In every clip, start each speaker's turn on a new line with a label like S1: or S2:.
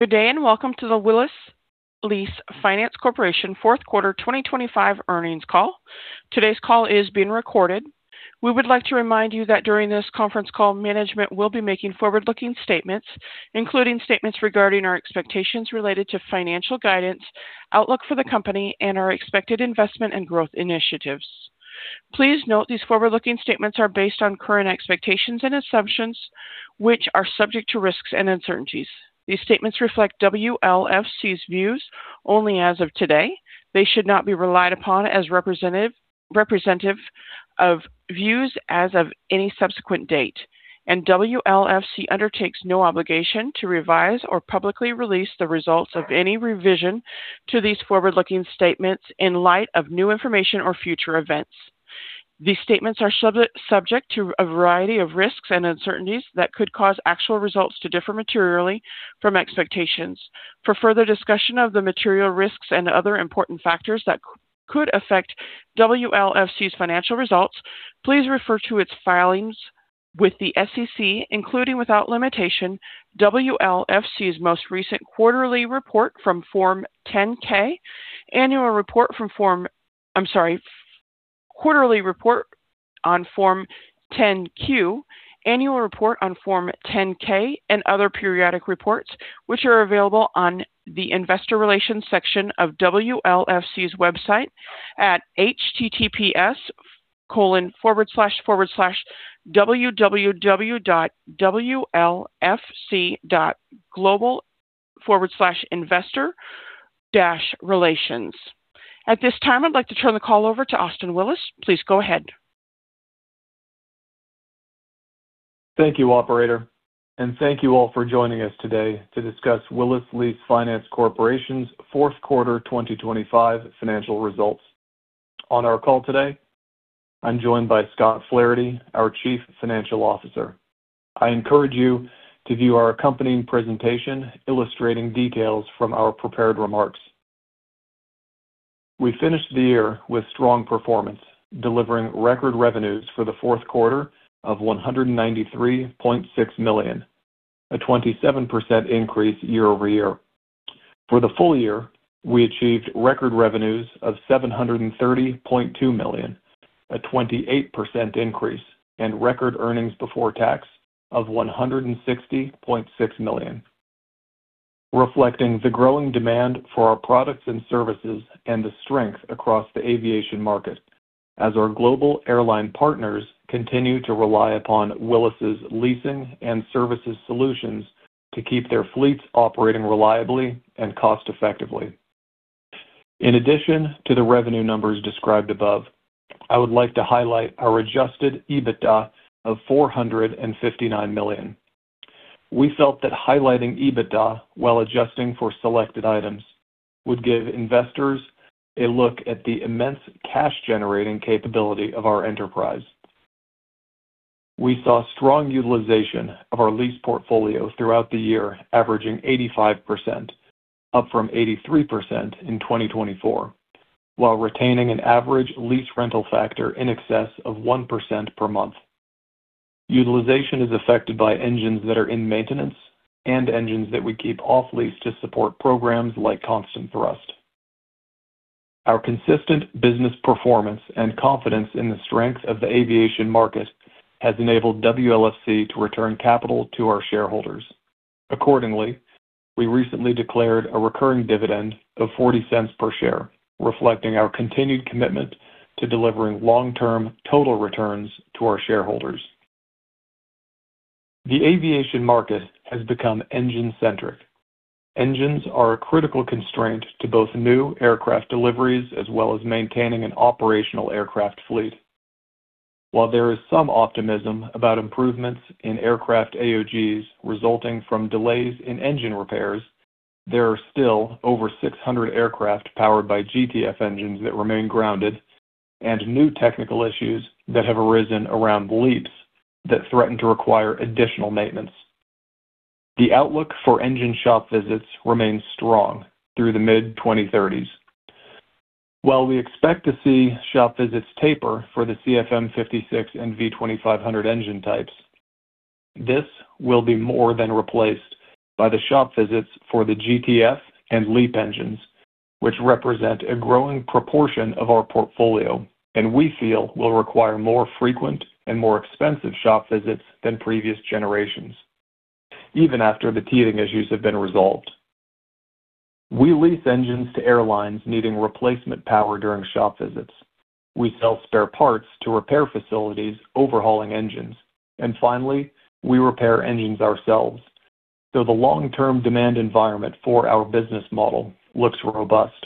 S1: Good day, and welcome to the Willis Lease Finance Corporation fourth quarter 2025 earnings call. Today's call is being recorded. We would like to remind you that during this conference call, management will be making forward-looking statements, including statements regarding our expectations related to financial guidance, outlook for the company, and our expected investment and growth initiatives. Please note these forward-looking statements are based on current expectations and assumptions, which are subject to risks and uncertainties. These statements reflect WLFC's views only as of today. They should not be relied upon as representative of views as of any subsequent date, and WLFC undertakes no obligation to revise or publicly release the results of any revision to these forward-looking statements in light of new information or future events. These statements are subject to a variety of risks and uncertainties that could cause actual results to differ materially from expectations. For further discussion of the material risks and other important factors that could affect WLFC's financial results, please refer to its filings with the SEC, including, without limitation, WLFC's most recent quarterly report on Form 10-Q, annual report on Form 10-K, and other periodic reports, which are available on the investor relations section of WLFC's website at https://www.wlfc.global/investor-relations. At this time, I'd like to turn the call over to Austin Willis. Please go ahead.
S2: Thank you, operator, and thank you all for joining us today to discuss Willis Lease Finance Corporation's fourth quarter 2025 financial results. On our call today, I'm joined by Scott Flaherty, our Chief Financial Officer. I encourage you to view our accompanying presentation illustrating details from our prepared remarks. We finished the year with strong performance, delivering record revenues for the fourth quarter of $193.6 million, a 27% increase year-over-year. For the full year, we achieved record revenues of $730.2 million, a 28% increase, and record earnings before tax of $160.6 million, reflecting the growing demand for our products and services and the strength across the aviation market as our global airline partners continue to rely upon Willis's leasing and services solutions to keep their fleets operating reliably and cost effectively. In addition to the revenue numbers described above, I would like to highlight our adjusted EBITDA of $459 million. We felt that highlighting EBITDA while adjusting for selected items would give investors a look at the immense cash-generating capability of our enterprise. We saw strong utilization of our lease portfolio throughout the year, averaging 85%, up from 83% in 2024, while retaining an average lease rental factor in excess of 1% per month. Utilization is affected by engines that are in maintenance and engines that we keep off lease to support programs like ConstantThrust. Our consistent business performance and confidence in the strength of the aviation market has enabled WLFC to return capital to our shareholders. Accordingly, we recently declared a recurring dividend of $0.40 per share, reflecting our continued commitment to delivering long-term total returns to our shareholders. The aviation market has become engine-centric. Engines are a critical constraint to both new aircraft deliveries as well as maintaining an operational aircraft fleet. While there is some optimism about improvements in aircraft AOGs resulting from delays in engine repairs, there are still over 600 aircraft powered by GTF engines that remain grounded and new technical issues that have arisen around LEAP that threaten to require additional maintenance. The outlook for engine shop visits remains strong through the mid-2030s. While we expect to see shop visits taper for the CFM56 and V2500 engine types, this will be more than replaced by the shop visits for the GTF and LEAP engines, which represent a growing proportion of our portfolio and we feel will require more frequent and more expensive shop visits than previous generations, even after the teething issues have been resolved. We lease engines to airlines needing replacement power during shop visits. We sell spare parts to repair facilities overhauling engines. Finally, we repair engines ourselves, so the long-term demand environment for our business model looks robust.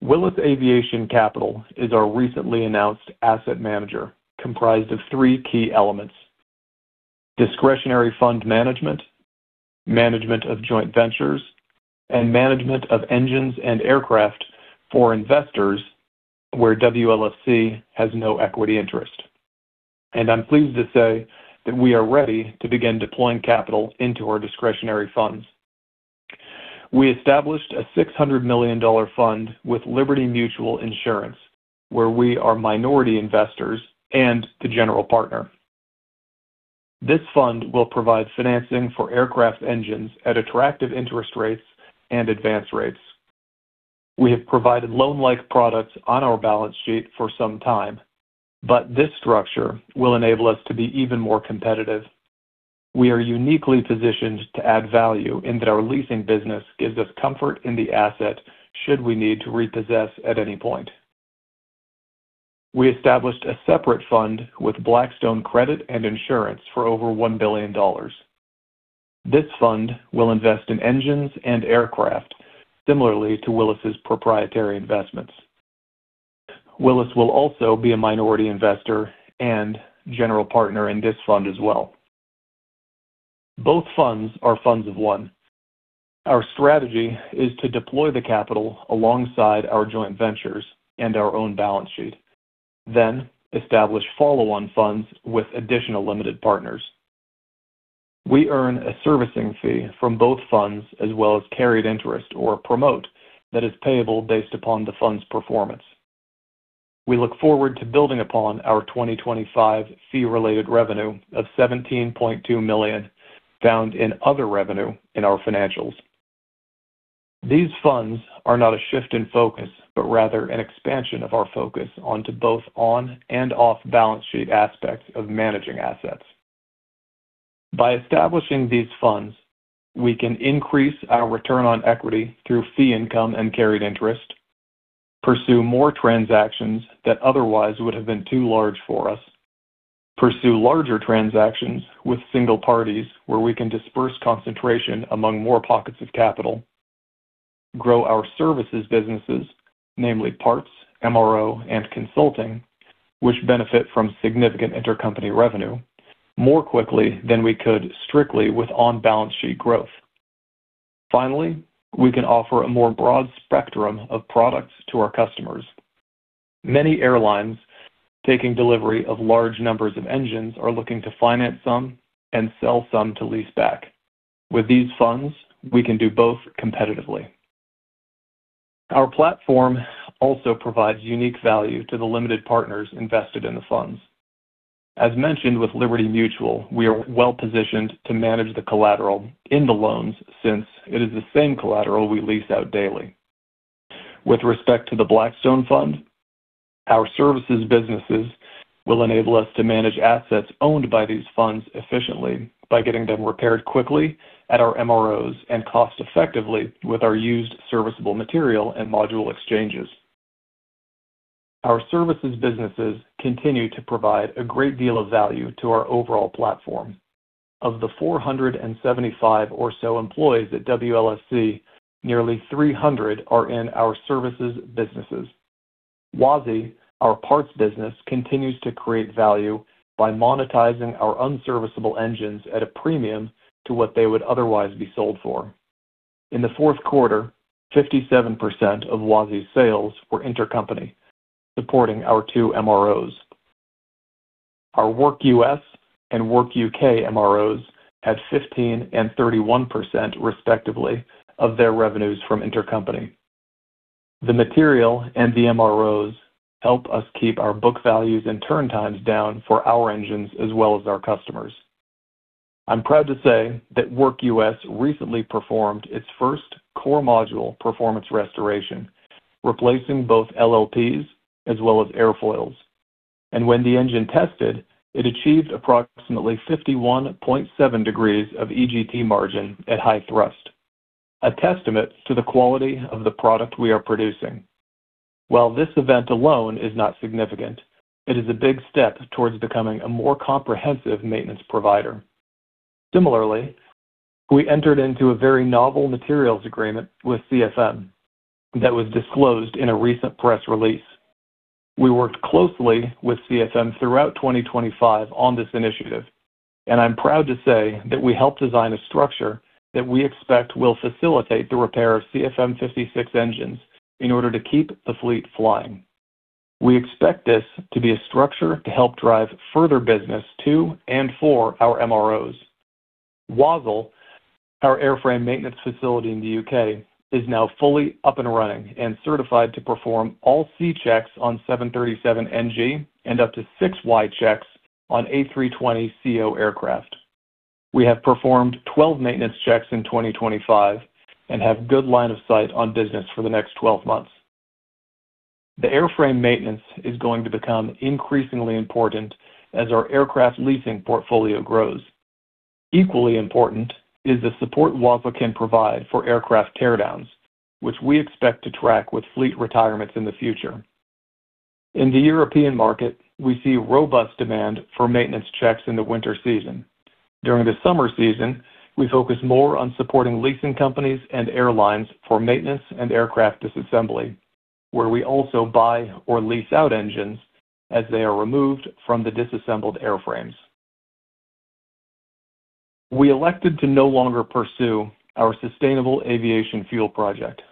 S2: Willis Aviation Capital is our recently announced asset manager comprised of three key elements, discretionary fund management of joint ventures, and management of engines and aircraft for investors where WLFC has no equity interest. I'm pleased to say that we are ready to begin deploying capital into our discretionary funds. We established a $600 million fund with Liberty Mutual Investments, where we are minority investors and the general partner. This fund will provide financing for aircraft engines at attractive interest rates and advance rates. We have provided loan-like products on our balance sheet for some time, but this structure will enable us to be even more competitive. We are uniquely positioned to add value in that our leasing business gives us comfort in the asset should we need to repossess at any point. We established a separate fund with Blackstone Credit & Insurance for over $1 billion. This fund will invest in engines and aircraft similarly to Willis's proprietary investments. Willis will also be a minority investor and general partner in this fund as well. Both funds are funds of one. Our strategy is to deploy the capital alongside our joint ventures and our own balance sheet, then establish follow-on funds with additional limited partners. We earn a servicing fee from both funds as well as carried interest or promote that is payable based upon the fund's performance. We look forward to building upon our 2025 fee-related revenue of $17.2 million found in other revenue in our financials. These funds are not a shift in focus, but rather an expansion of our focus onto both on and off balance sheet aspects of managing assets. By establishing these funds, we can increase our return on equity through fee income and carried interest, pursue more transactions that otherwise would have been too large for us, pursue larger transactions with single parties where we can disperse concentration among more pockets of capital, grow our services businesses, namely parts, MRO, and consulting, which benefit from significant intercompany revenue, more quickly than we could strictly with on-balance sheet growth. Finally, we can offer a more broad spectrum of products to our customers. Many airlines taking delivery of large numbers of engines are looking to finance some and sell some to leaseback. With these funds, we can do both competitively. Our platform also provides unique value to the limited partners invested in the funds. As mentioned with Liberty Mutual, we are well-positioned to manage the collateral in the loans since it is the same collateral we lease out daily. With respect to the Blackstone fund, our services businesses will enable us to manage assets owned by these funds efficiently by getting them repaired quickly at our MROs and cost effectively with our used serviceable material and module exchanges. Our services businesses continue to provide a great deal of value to our overall platform. Of the 475 or so employees at WLFC, nearly 300 are in our services businesses. WASI, our parts business, continues to create value by monetizing our unserviceable engines at a premium to what they would otherwise be sold for. In the fourth quarter, 57% of WASI's sales were intercompany, supporting our two MROs. Our WERC US and WERC UK MROs had 15% and 31%, respectively, of their revenues from intercompany. The material and the MROs help us keep our book values and turn times down for our engines as well as our customers. I'm proud to say that WERC US recently performed its first core module performance restoration, replacing both LLPs as well as airfoils. When the engine tested, it achieved approximately 51.7 degrees of EGT margin at high thrust, a testament to the quality of the product we are producing. While this event alone is not significant, it is a big step towards becoming a more comprehensive maintenance provider. Similarly, we entered into a very novel materials agreement with CFM that was disclosed in a recent press release. We worked closely with CFM throughout 2025 on this initiative, and I'm proud to say that we helped design a structure that we expect will facilitate the repair of CFM56 engines in order to keep the fleet flying. We expect this to be a structure to help drive further business to and for our MROs. WASL, our airframe maintenance facility in the U.K., is now fully up and running and certified to perform all C-checks on 737NG and up to 6Y checks on A320ceo aircraft. We have performed 12 maintenance checks in 2025 and have good line of sight on business for the next 12 months. The airframe maintenance is going to become increasingly important as our aircraft leasing portfolio grows. Equally important is the support WASL can provide for aircraft teardowns, which we expect to track with fleet retirements in the future. In the European market, we see robust demand for maintenance checks in the winter season. During the summer season, we focus more on supporting leasing companies and airlines for maintenance and aircraft disassembly, where we also buy or lease out engines as they are removed from the disassembled airframes. We elected to no longer pursue our sustainable aviation fuel project.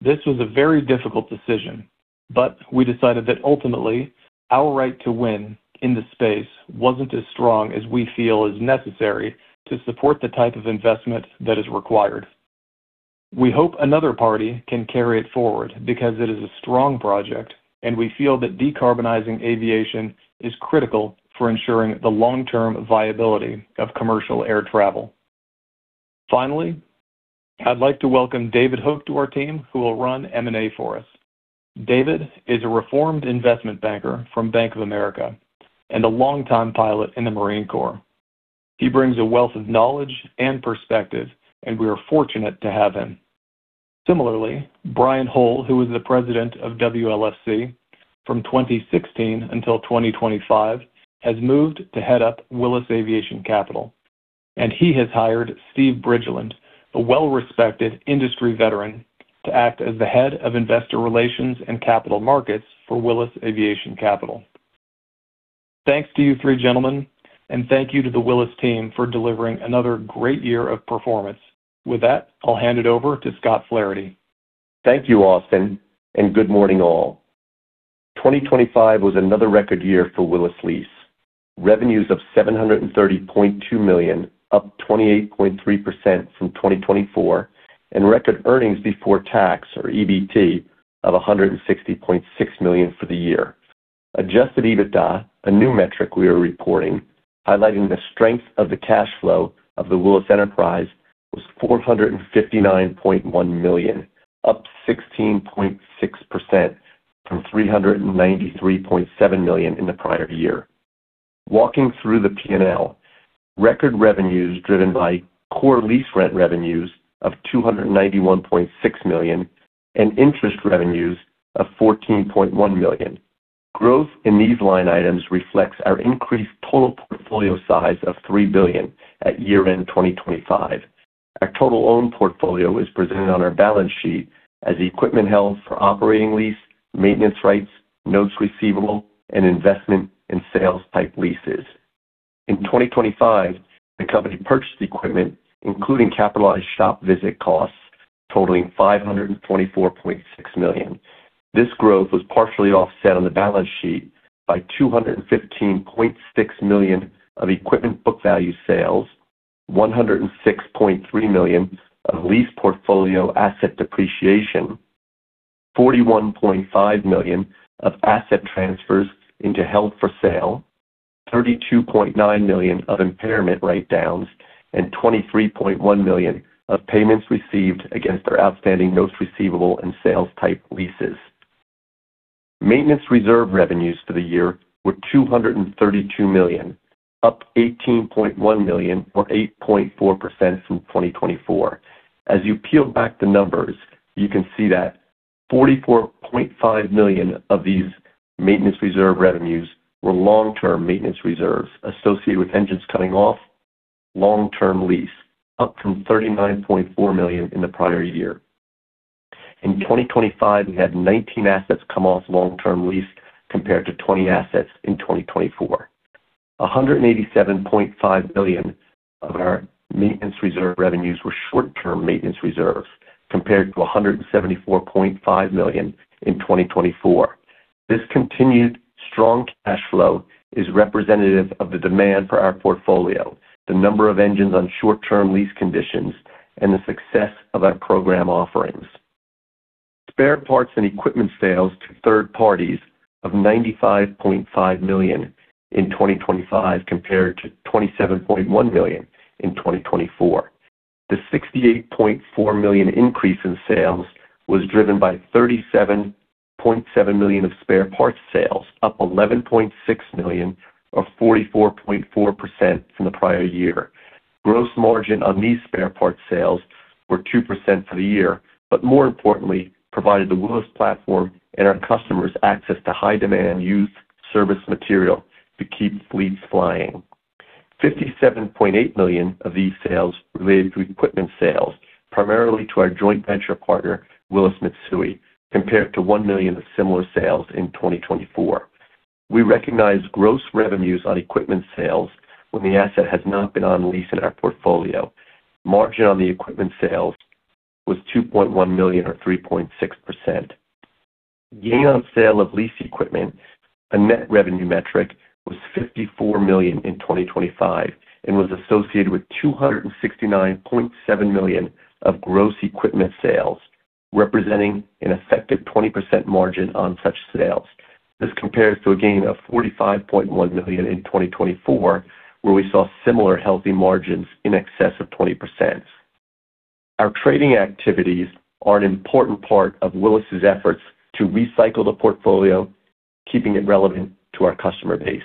S2: This was a very difficult decision, but we decided that ultimately our right to win in this space wasn't as strong as we feel is necessary to support the type of investment that is required. We hope another party can carry it forward because it is a strong project, and we feel that decarbonizing aviation is critical for ensuring the long-term viability of commercial air travel. Finally, I'd like to welcome David Hooke to our team, who will run M&A for us. David is a reformed investment banker from Bank of America and a long-time pilot in the Marine Corps. He brings a wealth of knowledge and perspective, and we are fortunate to have him. Similarly, Brian Hole, who was the President of WLFC from 2016 until 2025, has moved to head up Willis Aviation Capital, and he has hired Steve Bridgland, a well-respected industry veteran, to act as the Head of Investor Relations and Capital Markets for Willis Aviation Capital. Thanks to you three gentlemen, and thank you to the Willis team for delivering another great year of performance. With that, I'll hand it over to Scott Flaherty.
S3: Thank you, Austin, and good morning all. 2025 was another record year for Willis Lease. Revenues of $730.2 million, up 28.3% from 2024, and record earnings before tax, or EBT, of $160.6 million for the year. Adjusted EBITDA, a new metric we are reporting highlighting the strength of the cash flow of the Willis enterprise, was $459.1 million, up 16.6% from $393.7 million in the prior year. Walking through the P&L, record revenues driven by core lease rent revenues of $291.6 million and interest revenues of $14.1 million. Growth in these line items reflects our increased total portfolio size of $3 billion at year-end 2025. Our total own portfolio is presented on our balance sheet as equipment held for operating lease, maintenance rights, notes receivable, and investment in sales-type leases. In 2025, the company purchased equipment, including capitalized shop visit costs totaling $524.6 million. This growth was partially offset on the balance sheet by $215.6 million of equipment book value sales, $106.3 million of lease portfolio asset depreciation, $41.5 million of asset transfers into held for sale, $32.9 million of impairment write-downs, and $23.1 million of payments received against our outstanding notes receivable and sales-type leases. Maintenance reserve revenues for the year were $232 million, up $18.1 million or 8.4% from 2024. As you peel back the numbers, you can see that $44.5 million of these maintenance reserve revenues were long-term maintenance reserves associated with engines coming off long-term lease, up from $39.4 million in the prior year. In 2025, we had 19 assets come off long-term lease compared to 20 assets in 2024. $187.5 million of our maintenance reserve revenues were short-term maintenance reserves, compared to $174.5 million in 2024. This continued strong cash flow is representative of the demand for our portfolio, the number of engines on short-term lease conditions, and the success of our program offerings. Spare parts and equipment sales to third parties of $95.5 million in 2025, compared to $27.1 million in 2024. The $68.4 million increase in sales was driven by $37.7 million of spare parts sales, up $11.6 million or 44.4% from the prior year. Gross margin on these spare parts sales were 2% for the year, but more importantly, provided the Willis platform and our customers access to high-demand used serviceable material to keep fleets flying. $57.8 million of these sales related to equipment sales, primarily to our joint venture partner, Willis Mitsui, compared to $1 million of similar sales in 2024. We recognize gross revenues on equipment sales when the asset has not been on lease in our portfolio. Margin on the equipment sales was $2.1 million or 3.6%. Gain on sale of lease equipment, a net revenue metric, was $54 million in 2025 and was associated with $269.7 million of gross equipment sales, representing an effective 20% margin on such sales. This compares to a gain of $45.1 million in 2024, where we saw similar healthy margins in excess of 20%. Our trading activities are an important part of Willis's efforts to recycle the portfolio, keeping it relevant to our customer base.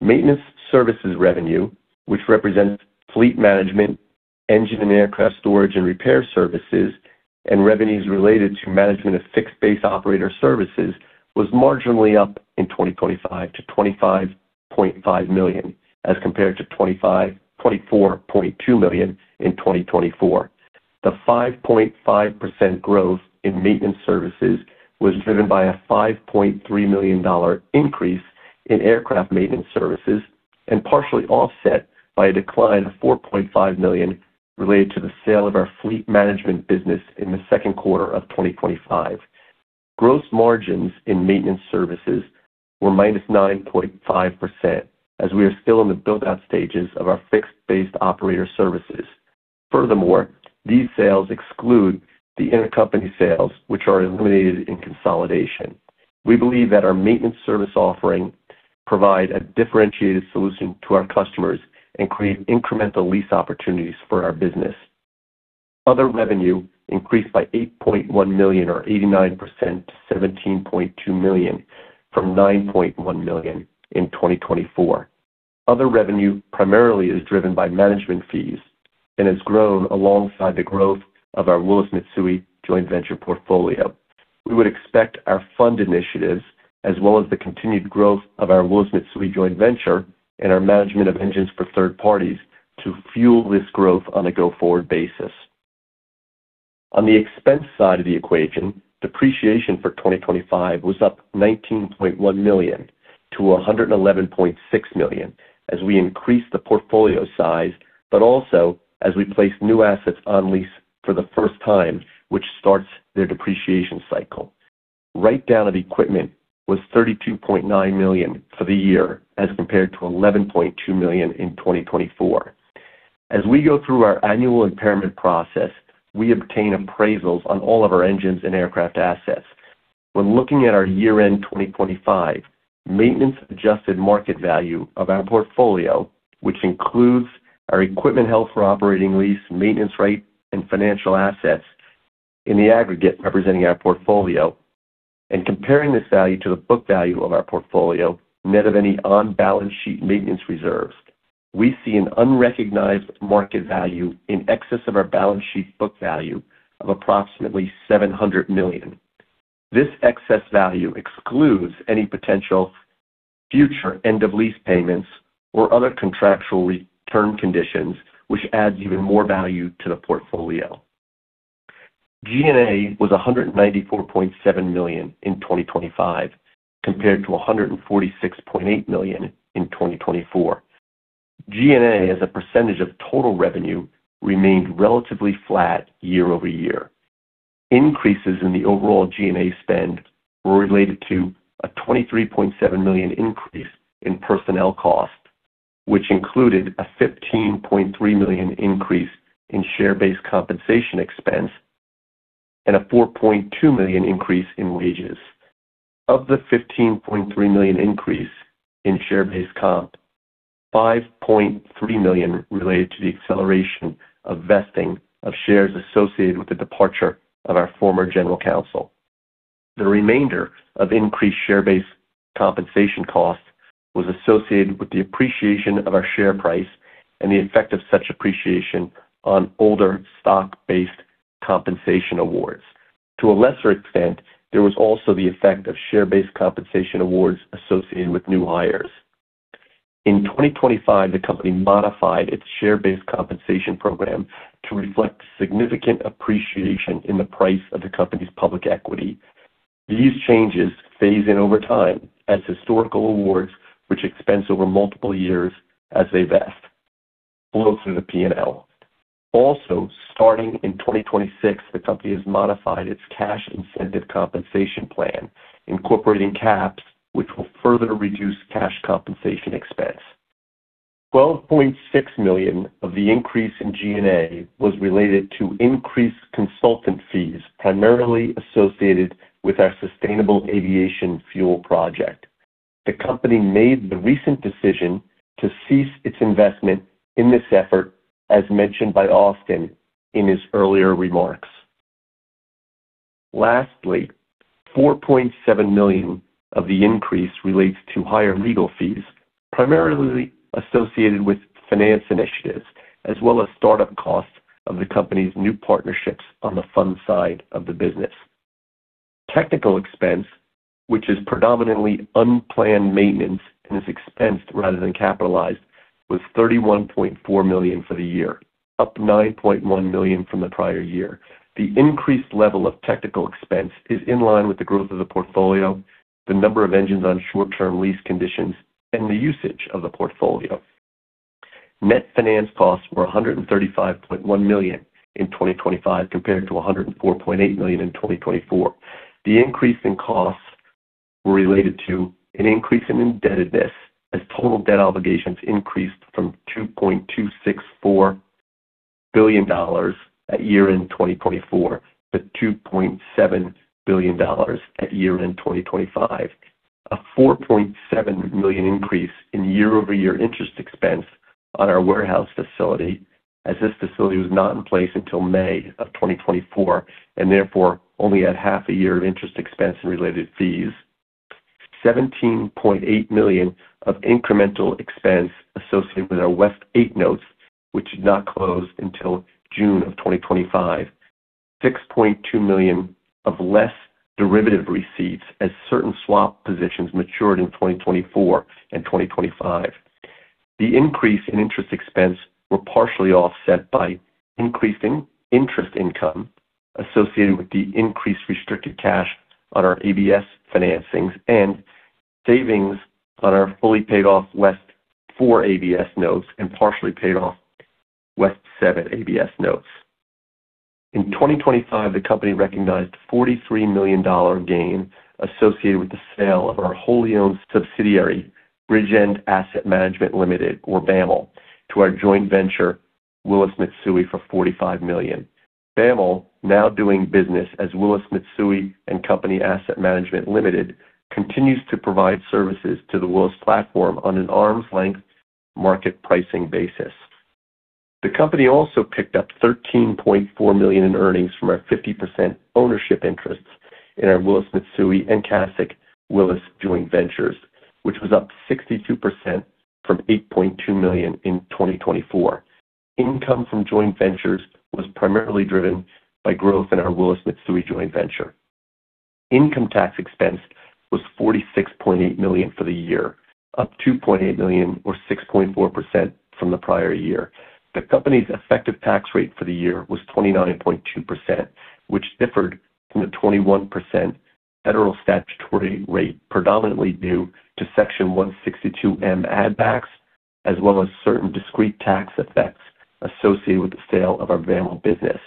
S3: Maintenance services revenue, which represents fleet management, engine and aircraft storage and repair services, and revenues related to management of fixed-base operator services, was marginally up in 2025 to $25.5 million as compared to $24.2 million in 2024. The 5.5% growth in maintenance services was driven by a $5.3 million increase in aircraft maintenance services and partially offset by a decline of $4.5 million related to the sale of our fleet management business in the second quarter of 2025. Gross margins in maintenance services were -9.5% as we are still in the build-out stages of our fixed-base operator services. Furthermore, these sales exclude the intercompany sales which are eliminated in consolidation. We believe that our maintenance service offering provide a differentiated solution to our customers and create incremental lease opportunities for our business. Other revenue increased by $8.1 million or 89% to $17.2 million from $9.1 million in 2024. Other revenue primarily is driven by management fees and has grown alongside the growth of our Willis Mitsui & Co. joint venture portfolio. We would expect our fund initiatives as well as the continued growth of our Willis Mitsui & Co. joint venture and our management of engines for third parties to fuel this growth on a go-forward basis. On the expense side of the equation, depreciation for 2025 was up $19.1 million to $111.6 million as we increased the portfolio size, but also as we placed new assets on lease for the first time, which starts their depreciation cycle. Write-down of equipment was $32.9 million for the year as compared to $11.2 million in 2024. As we go through our annual impairment process, we obtain appraisals on all of our engines and aircraft assets. When looking at our year-end 2025, maintenance-adjusted market value of our portfolio, which includes our equipment held for operating lease, maintenance rights, and financial assets in the aggregate representing our portfolio and comparing this value to the book value of our portfolio net of any on-balance sheet maintenance reserves, we see an unrecognized market value in excess of our balance sheet book value of approximately $700 million. This excess value excludes any potential future end-of-lease payments or other contractual return conditions, which adds even more value to the portfolio. G&A was $194.7 million in 2025 compared to $146.8 million in 2024. G&A as a percentage of total revenue remained relatively flat year-over-year. Increases in the overall G&A spend were related to a $23.7 million increase in personnel costs, which included a $15.3 million increase in share-based compensation expense and a $4.2 million increase in wages. Of the $15.3 million increase in share-based comp, $5.3 million related to the acceleration of vesting of shares associated with the departure of our former General Counsel. The remainder of increased share-based compensation costs was associated with the appreciation of our share price and the effect of such appreciation on older stock-based compensation awards. To a lesser extent, there was also the effect of share-based compensation awards associated with new hires. In 2025, the company modified its share-based compensation program to reflect significant appreciation in the price of the company's public equity. These changes phase in over time as historical awards which expense over multiple years as they vest flow through the P&L. Also, starting in 2026, the company has modified its cash incentive compensation plan, incorporating caps which will further reduce cash compensation expense. $12.6 million of the increase in G&A was related to increased consultant fees, primarily associated with our sustainable aviation fuel project. The company made the recent decision to cease its investment in this effort, as mentioned by Austin in his earlier remarks. Lastly, $4.7 million of the increase relates to higher legal fees, primarily associated with finance initiatives as well as startup costs of the company's new partnerships on the fund side of the business. Technical expense, which is predominantly unplanned maintenance and is expensed rather than capitalized, was $31.4 million for the year, up $9.1 million from the prior year. The increased level of technical expense is in line with the growth of the portfolio, the number of engines on short-term lease conditions, and the usage of the portfolio. Net finance costs were $135.1 million in 2025 compared to $104.8 million in 2024. The increase in costs were related to an increase in indebtedness as total debt obligations increased from $2.264 billion at year-end 2024 to $2.7 billion at year-end 2025. $4.7 million increase in year-over-year interest expense on our warehouse facility as this facility was not in place until May 2024 and therefore only had half a year of interest expense and related fees. $17.8 million of incremental expense associated with our WEST VIII notes, which did not close until June 2025. $6.2 million of less derivative receipts as certain swap positions matured in 2024 and 2025. The increase in interest expense were partially offset by increasing interest income associated with the increased restricted cash on our ABS financings and savings on our fully paid off WEST IV ABS notes and partially paid off WEST VII ABS notes. In 2025, the company recognized $43 million gain associated with the sale of our wholly owned subsidiary, Bridgend Asset Management Limited, or BAML, to our joint venture, Willis Mitsui & Co., for $45 million. BAML, now doing business as Willis Mitsui & Co. Asset Management Limited, continues to provide services to the Willis platform on an arm's-length market pricing basis. The company also picked up $13.4 million in earnings from our 50% ownership interests in our Willis Mitsui & Co. and CASC Willis joint ventures, which was up 62% from $8.2 million in 2024. Income from joint ventures was primarily driven by growth in our Willis Mitsui & Co. joint venture. Income tax expense was $46.8 million for the year, up $2.8 million or 6.4% from the prior year. The company's effective tax rate for the year was 29.2%, which differed from the 21% federal statutory rate, predominantly due to Section 162(m) add-backs, as well as certain discrete tax effects associated with the sale of our BAML business.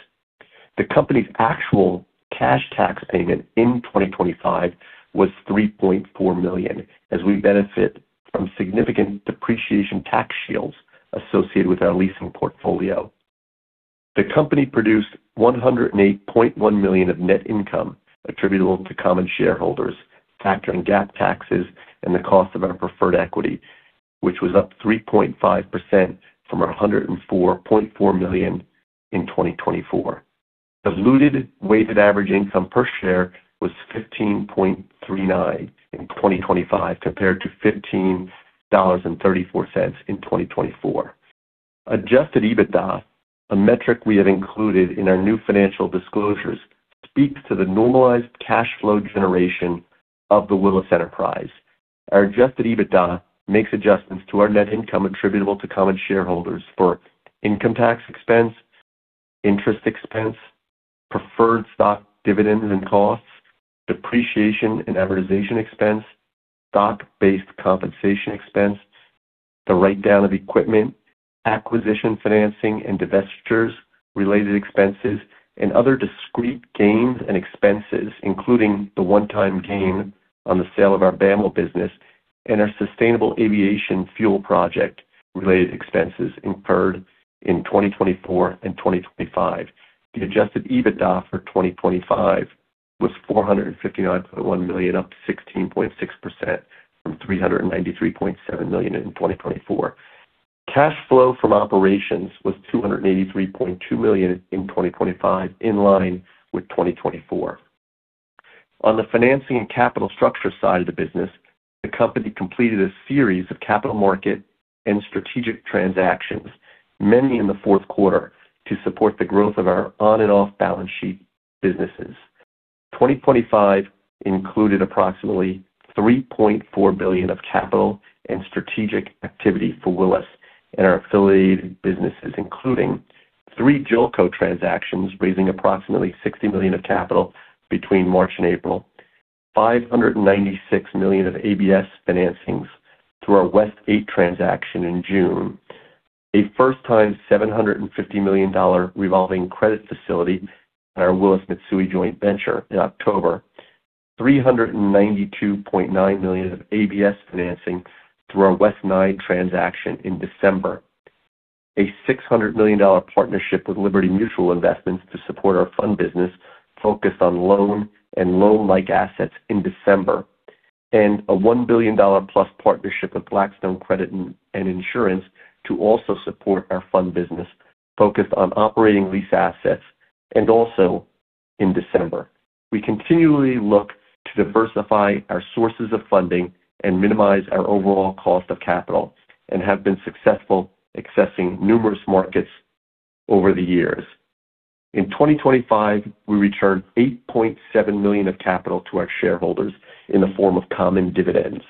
S3: The company's actual cash tax payment in 2025 was $3.4 million, as we benefit from significant depreciation tax shields associated with our leasing portfolio. The company produced $108.1 million of net income attributable to common shareholders, factoring GAAP taxes and the cost of our preferred equity, which was up 3.5% from our $104.4 million in 2024. Diluted weighted average income per share was $15.39 in 2025 compared to $15.34 in 2024. Adjusted EBITDA, a metric we have included in our new financial disclosures, speaks to the normalized cash flow generation of the Willis enterprise. Our adjusted EBITDA makes adjustments to our net income attributable to common shareholders for income tax expense, interest expense, preferred stock dividends and costs, depreciation and amortization expense, stock-based compensation expense, the write-down of equipment, acquisition financing and divestitures related expenses, and other discrete gains and expenses, including the one-time gain on the sale of our BAML business and our sustainable aviation fuel project related expenses incurred in 2024 and 2025. The adjusted EBITDA for 2025 was $459.1 million, up 16.6% from $393.7 million in 2024. Cash flow from operations was $283.2 million in 2025, in line with 2024. On the financing and capital structure side of the business, the company completed a series of capital market and strategic transactions, many in the fourth quarter, to support the growth of our on and off-balance sheet businesses. 2025 included approximately $3.4 billion of capital and strategic activity for Willis and our affiliated businesses, including three JOLCO transactions, raising approximately $60 million of capital between March and April, $596 million of ABS financings through our WEST VIII transaction in June. A first-time $750 million revolving credit facility in our Willis Mitsui & Co. joint venture in October, $392.9 million of ABS financing through our WEST IX transaction in December, a $600 million partnership with Liberty Mutual Investments to support our fund business focused on loan and loan-like assets in December, and a $1 billion+ partnership with Blackstone Credit & Insurance to also support our fund business focused on operating lease assets, and also in December. We continually look to diversify our sources of funding and minimize our overall cost of capital and have been successful accessing numerous markets over the years. In 2025, we returned $8.7 million of capital to our shareholders in the form of common dividends.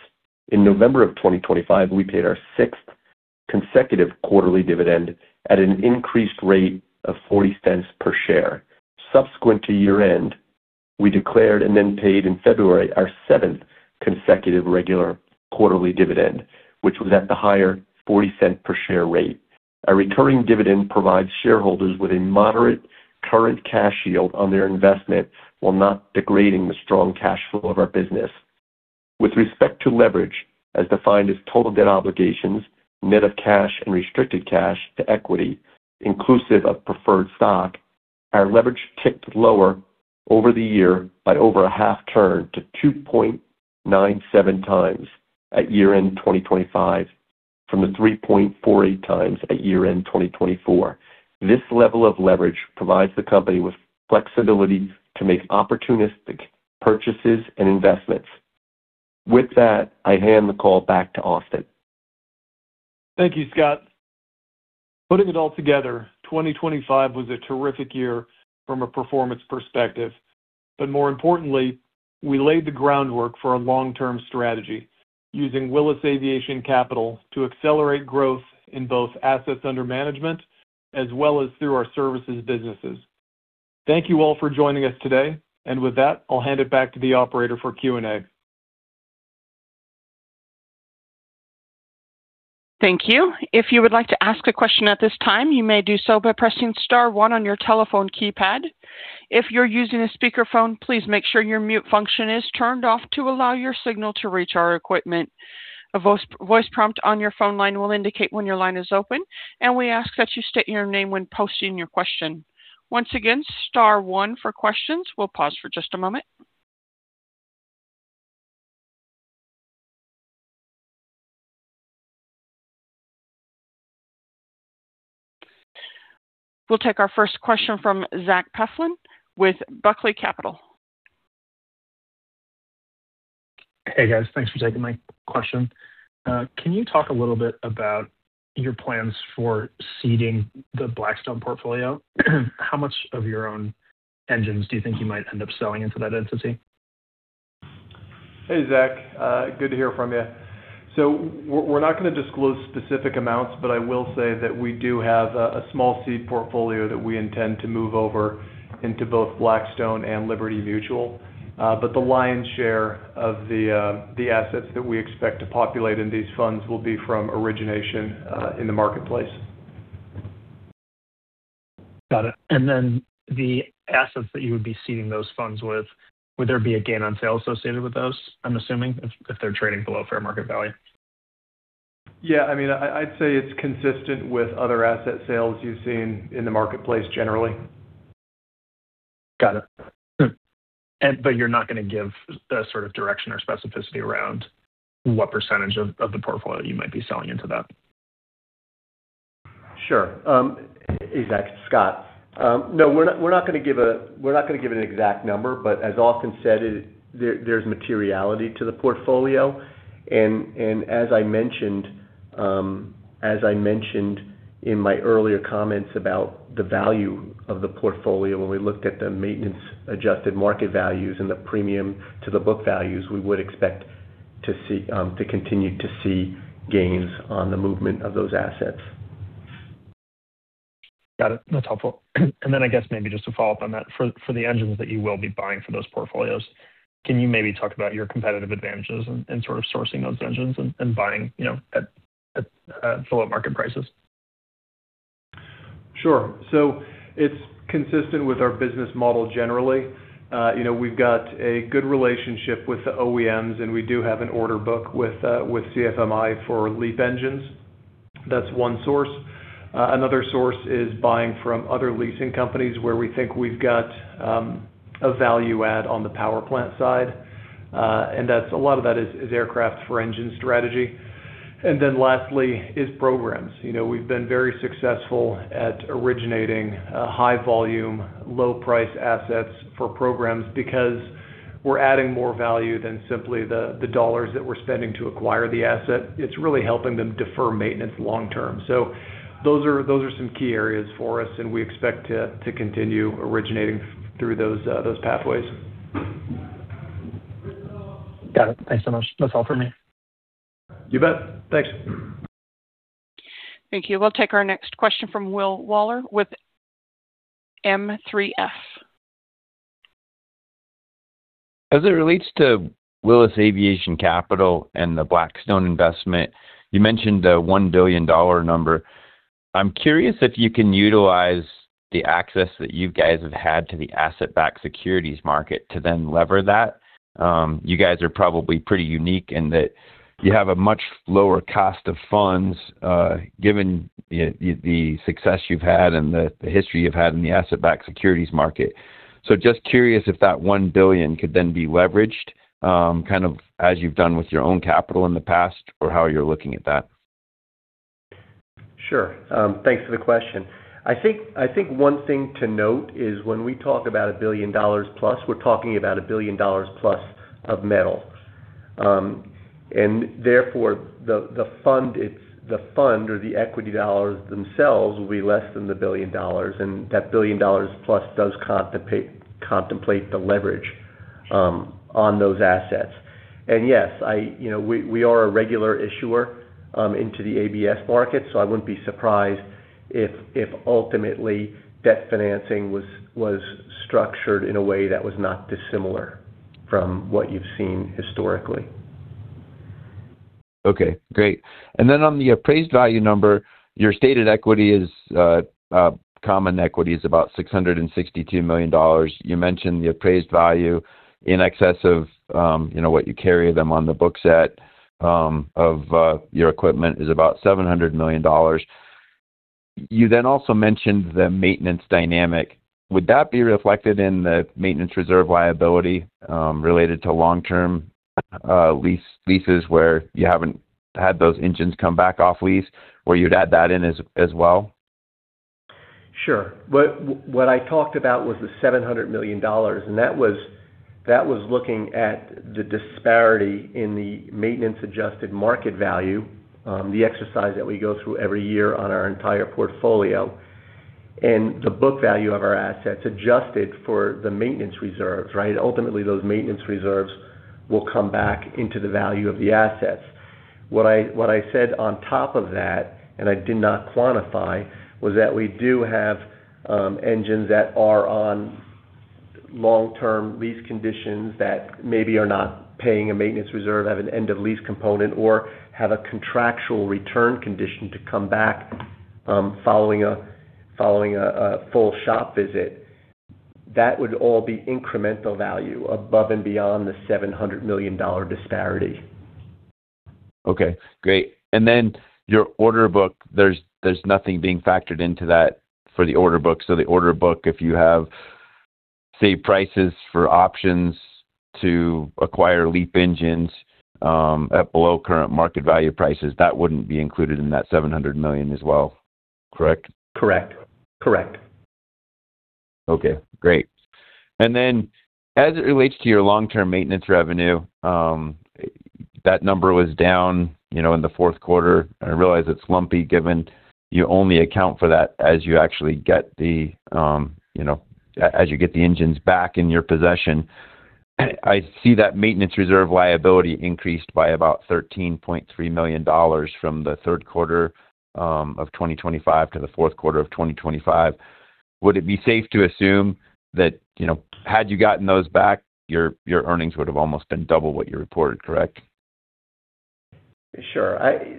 S3: In November 2025, we paid our sixth consecutive quarterly dividend at an increased rate of $0.40 per share. Subsequent to year-end, we declared and then paid in February our seventh consecutive regular quarterly dividend, which was at the higher $0.40 per share rate. Our recurring dividend provides shareholders with a moderate current cash yield on their investment while not degrading the strong cash flow of our business. With respect to leverage, as defined as total debt obligations, net of cash and restricted cash to equity, inclusive of preferred stock, our leverage ticked lower over the year by over a half turn to 2.97x at year-end 2025 from the 3.48x at year-end 2024. This level of leverage provides the company with flexibility to make opportunistic purchases and investments. With that, I hand the call back to Austin.
S2: Thank you, Scott. Putting it all together, 2025 was a terrific year from a performance perspective. More importantly, we laid the groundwork for our long-term strategy using Willis Aviation Capital to accelerate growth in both assets under management as well as through our services businesses. Thank you all for joining us today. With that, I'll hand it back to the operator for Q&A.
S1: Thank you. If you would like to ask a question at this time, you may do so by pressing star one on your telephone keypad. If you're using a speakerphone, please make sure your mute function is turned off to allow your signal to reach our equipment. A voice prompt on your phone line will indicate when your line is open, and we ask that you state your name when posing your question. Once agai, nstar one for questions. We'll pause for just a moment. We'll take our first question from Zack Buckley with Buckley Capital.
S4: Hey, guys. Thanks for taking my question. Can you talk a little bit about your plans for seeding the Blackstone portfolio? How much of your own engines do you think you might end up selling into that entity?
S2: Hey, Zack. Good to hear from you. We're not going to disclose specific amounts, but I will say that we do have a small seed portfolio that we intend to move over into both Blackstone and Liberty Mutual. But the lion's share of the assets that we expect to populate in these funds will be from origination in the marketplace.
S4: Got it. The assets that you would be seeding those funds with, would there be a gain on sale associated with those, I'm assuming, if they're trading below fair market value?
S2: Yeah. I mean, I'd say it's consistent with other asset sales you've seen in the marketplace generally.
S4: Got it. You're not going to give a sort of direction or specificity around what percentage of the portfolio you might be selling into that.
S3: Sure. Hey, Zack, it's Scott. No, we're not going to give an exact number. As Austin said, there's materiality to the portfolio. As I mentioned in my earlier comments about the value of the portfolio when we looked at the maintenance-adjusted market values and the premium to the book values, we would expect to see to continue to see gains on the movement of those assets.
S4: Got it. That's helpful. I guess maybe just to follow up on that, for the engines that you will be buying for those portfolios, can you maybe talk about your competitive advantages in sort of sourcing those engines and buying, you know, at below market prices?
S2: Sure. It's consistent with our business model generally. You know, we've got a good relationship with the OEMs, and we do have an order book with CFMI for LEAP engines. That's one source. Another source is buying from other leasing companies where we think we've got a value add on the power plant side. That's a lot of that is aircraft for engine strategy. Lastly is programs. You know, we've been very successful at originating high volume, low price assets for programs because we're adding more value than simply the dollars that we're spending to acquire the asset. It's really helping them defer maintenance long term. Those are some key areas for us, and we expect to continue originating through those pathways.
S4: Got it. Thanks so much. That's all for me.
S2: You bet. Thanks.
S1: Thank you. We'll take our next question from Will Waller with M3F.
S5: As it relates to Willis Aviation Capital and the Blackstone investment, you mentioned the $1 billion number. I'm curious if you can utilize the access that you guys have had to the asset-backed securities market to then lever that. You guys are probably pretty unique in that you have a much lower cost of funds, given the success you've had and the history you've had in the asset-backed securities market. Just curious if that $1 billion could then be leveraged, kind of as you've done with your own capital in the past or how you're looking at that.
S3: Sure. Thanks for the question. I think one thing to note is when we talk about $1 billion+, we're talking about $1 billion+ of metal. And therefore the fund or the equity dollars themselves will be less than $1 billion, and that $1 billion+ does contemplate the leverage on those assets. Yes, you know, we are a regular issuer into the ABS market, so I wouldn't be surprised if ultimately debt financing was structured in a way that was not dissimilar from what you've seen historically.
S5: Okay, great. On the appraised value number, your common equity is about $662 million. You mentioned the appraised value in excess of what you carry them on the books at, of your equipment, is about $700 million. You then also mentioned the maintenance dynamic. Would that be reflected in the maintenance reserve liability related to long-term leases where you haven't had those engines come back off lease, or you'd add that in as well?
S3: Sure. What I talked about was the $700 million, and that was looking at the disparity in the maintenance adjusted market value, the exercise that we go through every year on our entire portfolio, and the book value of our assets adjusted for the maintenance reserves, right? Ultimately, those maintenance reserves will come back into the value of the assets. What I said on top of that, and I did not quantify, was that we do have engines that are on long-term lease conditions that maybe are not paying a maintenance reserve, have an end of lease component, or have a contractual return condition to come back following a full shop visit. That would all be incremental value above and beyond the $700 million dollar disparity.
S5: Okay, great. Your order book, there's nothing being factored into that for the order book. The order book, if you have, say, prices for options to acquire LEAP engines, at below current market value prices, that wouldn't be included in that $700 million as well, correct?
S3: Correct.
S5: Okay, great. Then as it relates to your long-term maintenance revenue, that number was down, you know, in the fourth quarter. I realize it's lumpy given you only account for that as you actually get the, you know, as you get the engines back in your possession. I see that maintenance reserve liability increased by about $13.3 million from the third quarter of 2025 to the fourth quarter of 2025. Would it be safe to assume that, you know, had you gotten those back, your earnings would have almost been double what you reported, correct?
S3: Sure. I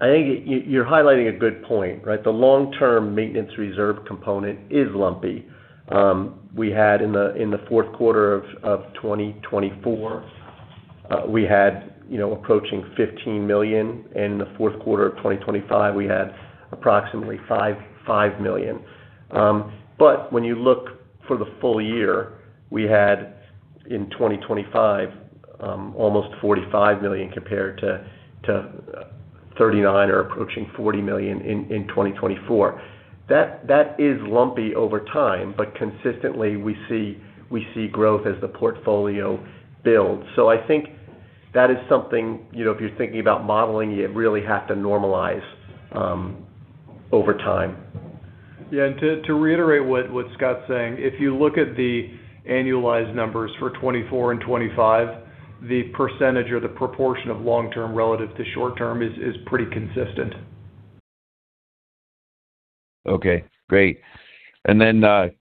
S3: think you're highlighting a good point, right? The long-term maintenance reserve component is lumpy. We had in the fourth quarter of 2024, you know, approaching $15 million. In the fourth quarter of 2025, we had approximately $5 million. When you look for the full year, we had in 2025 almost $45 million compared to $39 million or approaching $40 million in 2024. That is lumpy over time. Consistently we see growth as the portfolio builds. I think that is something, you know, if you're thinking about modeling, you really have to normalize over time.
S2: Yeah. To reiterate what Scott's saying, if you look at the annualized numbers for 2024 and 2025, the percentage or the proportion of long-term relative to short-term is pretty consistent.
S5: Okay, great.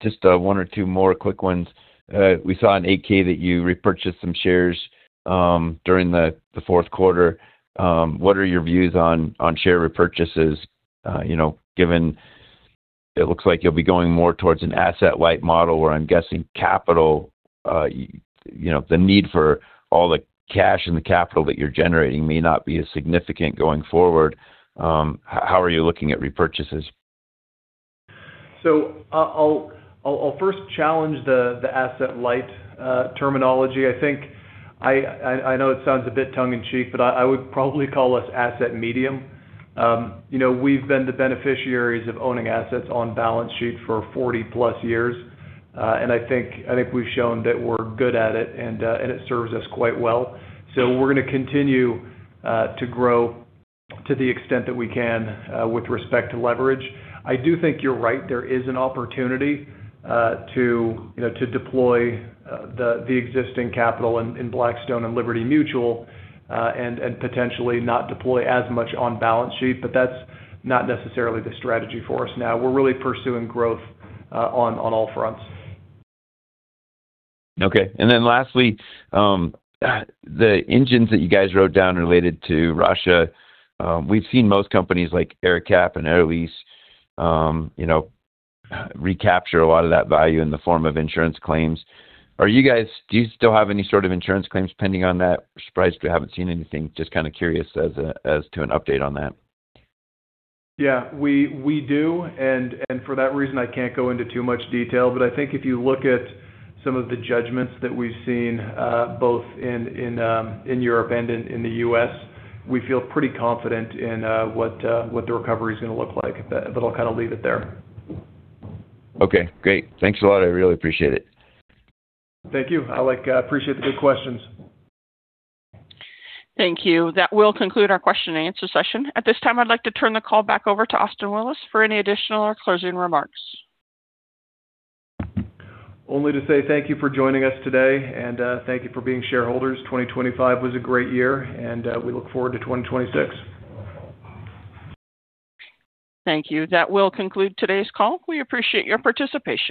S5: Just one or two more quick ones. We saw an 8-K that you repurchased some shares during the fourth quarter. What are your views on share repurchases? You know, given it looks like you'll be going more towards an asset-light model where I'm guessing capital, you know, the need for all the cash and the capital that you're generating may not be as significant going forward. How are you looking at repurchases?
S2: I'll first challenge the asset-light terminology. I think I know it sounds a bit tongue-in-cheek, but I would probably call us asset-medium. You know, we've been the beneficiaries of owning assets on balance sheet for 40-plus years, and I think we've shown that we're good at it, and it serves us quite well. We're gonna continue to grow to the extent that we can with respect to leverage. I do think you're right, there is an opportunity to you know to deploy the existing capital in Blackstone and Liberty Mutual and potentially not deploy as much on balance sheet. That's not necessarily the strategy for us now. We're really pursuing growth on all fronts.
S5: Okay. Lastly, the engines that you guys wrote down related to Russia, we've seen most companies like AerCap and Air Lease, you know, recapture a lot of that value in the form of insurance claims. Do you still have any sort of insurance claims pending on that? Surprised we haven't seen anything. Just kind of curious as to an update on that.
S2: Yeah, we do, and for that reason, I can't go into too much detail. I think if you look at some of the judgments that we've seen, both in Europe and in the U.S., we feel pretty confident in what the recovery is gonna look like. I'll kind of leave it there.
S5: Okay, great. Thanks a lot. I really appreciate it.
S2: Thank you. I appreciate the good questions.
S1: Thank you. That will conclude our question and answer session. At this time, I'd like to turn the call back over to Austin Willis for any additional or closing remarks.
S2: Only to say thank you for joining us today, and thank you for being shareholders. 2025 was a great year, and we look forward to 2026.
S1: Thank you. That will conclude today's call. We appreciate your participation.